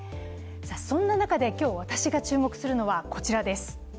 そんな中で今日、私が注目するのはこちらです。